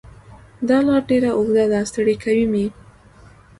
دا لار ډېره اوږده ده ستړی کوی مې